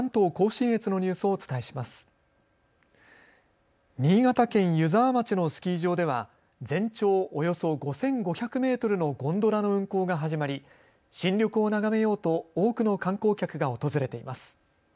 新潟県湯沢町のスキー場では全長およそ５５００メートルのゴンドラの運行が始まり新緑を眺めようと多くの観光客が訪れています。